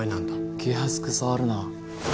気安く触るな。